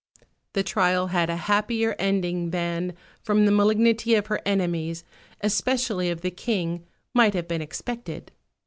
The trial had a happier ending than, from the malignity of her enemies, especially of the King, might have been expected.